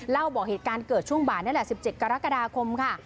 เล่าบอกเหตุการณ์เกิดช่วงบ้านนั่นแหละสิบเจ็ดกรกราคาคมค่ะ